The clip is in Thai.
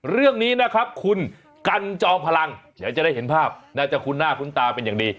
เรื่องนี้นะครับคุณกันจอมพลังเดี๋ยวจะได้เห็นภาพน่าจะคุ้นหน้าคุ้นตาเป็นอย่างดี